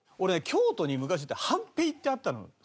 京都に昔はんぺいってあったの。